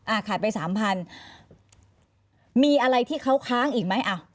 ขาดไปสามพันมีอะไรที่เขาค้างอีกไหมอ่ะ